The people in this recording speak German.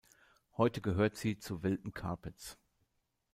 Heute gehört sie zu Wilton Carpets.